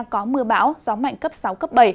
có mưa bão gió mạnh cấp sáu cấp bảy